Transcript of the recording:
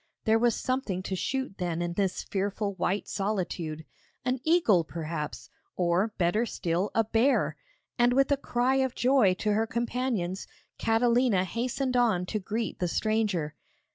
There was something to shoot then in this fearful white solitude! An eagle perhaps, or, better still, a bear; and with a cry of joy to her companions, Catalina hastened on to greet the stranger.